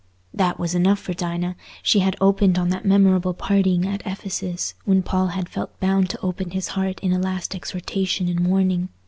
That was enough for Dinah; she had opened on that memorable parting at Ephesus, when Paul had felt bound to open his heart in a last exhortation and warning.